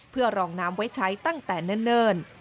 เพื่อรองน้ำไว้ใช้ตั้งแต่เนิ่น